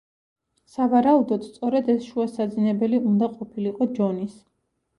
სავარაუდოდ სწორედ ეს შუა საძინებელი უნდა ყოფილიყო ჯონის.